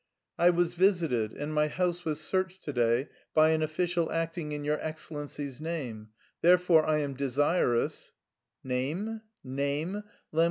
"I was visited and my house was searched to day by an official acting in your Excellency's name; therefore I am desirous..." "Name?